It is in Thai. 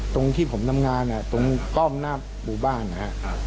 ตรงที่ผมทำงานอ่ะตรงกล้อมหน้าหมู่บ้านนะฮะอ่า